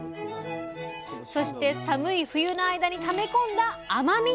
そして寒い冬の間にため込んだ甘み！